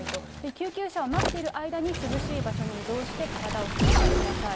救急車を待っている間に涼しい場所に移動して、体を冷やしてください。